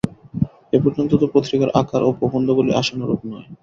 এ পর্যন্ত তো পত্রিকার আকার ও প্রবন্ধগুলি আশানুরূপ নয়।